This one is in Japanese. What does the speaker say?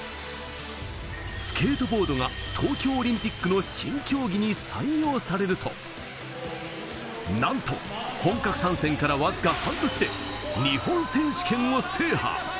スケートボードが東京オリンピックの新競技に採用されると、なんと本格参戦からわずか半年で日本選手権を制覇。